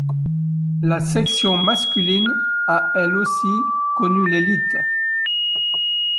La section masculine a elle aussi connue l'élite.